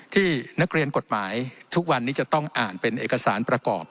ที่นักเรียนกฎหมายทุกวันนี้จะต้องอ่านเป็นเอกสารประกอบ